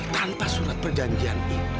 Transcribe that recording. tanpa surat perjanjian